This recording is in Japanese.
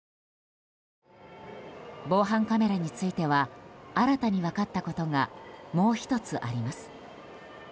防犯カメラについては新たに分かったことがもう１つあります。